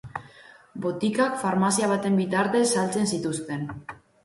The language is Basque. Botikak farmazia baten bitartez saltzen zituzten.